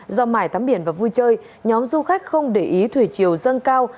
do mải thắm biển và vui chơi nhóm du khách không để ý thủy chiều dâng cao